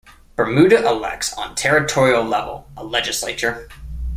Bermuda elects on territorial level a legislature.